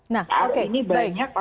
nah oke baik